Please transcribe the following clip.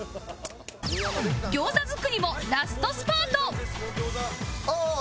餃子作りもラストスパートああー！